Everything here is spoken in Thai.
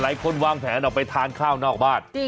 หลายคนวางแผนออกไปทานข้าวนอกบ้าน